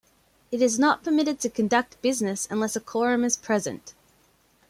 It is not permitted to conduct business unless a quorum is present.